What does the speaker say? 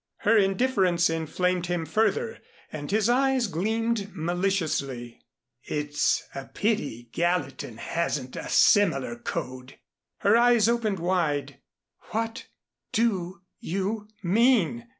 Her indifference inflamed him further and his eyes gleamed maliciously. "It's a pity Gallatin hasn't a similar code." Her eyes opened wide. "What do you mean?"